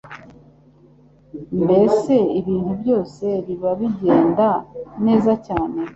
Mbese ibintu byose biba bigenda neza cyane,